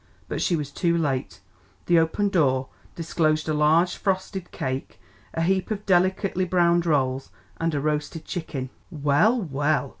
But she was too late; the open door disclosed a large frosted cake, a heap of delicately browned rolls and a roasted chicken. "Well, well!